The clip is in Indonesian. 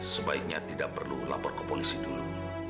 sebaiknya tidak perlu lapor ke polisi dulu